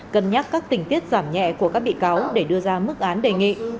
cân nhắc các tình tiết giảm nhẹ của các bị cáo để đưa ra mức án đề nghị